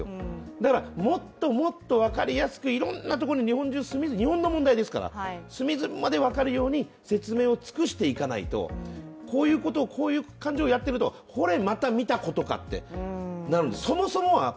だからもっともっと分かりやすくいろんなところに日本中の隅々まで分かるように説明を尽くしていかないとこういうことをこういう感じでやっていると、ほれまた見たことかってなるんですよ。